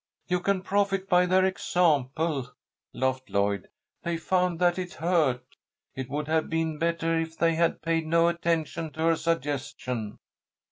"You can profit by their example," laughed Lloyd. "They found that it hurt. It would have been bettah if they had paid no attention to her suggestion."